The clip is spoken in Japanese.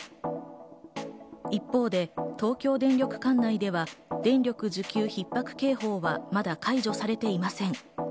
一方で東京電力管内では、電力需給ひっ迫警報はまだ解除されていません。